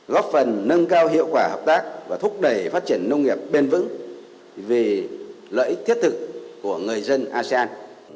góp phần nâng cao hiệu quả hợp tác và thúc đẩy phát triển nông nghiệp bền vững vì lợi ích thiết thực của người dân asean